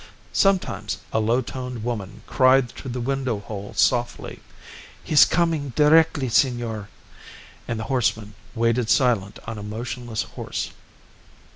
Sometimes a low toned woman cried through the window hole softly, "He's coming directly, senor," and the horseman waited silent on a motionless horse.